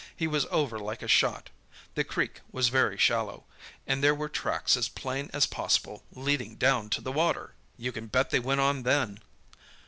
He was over like a shot—the creek was very shallow—and there were tracks as plain as possible, leading down to the water! "You can bet they went on then!